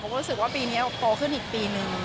ก็รู้สึกว่าปีนี้โตขึ้นอีกปีนึง